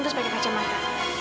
terus pakai pacar mata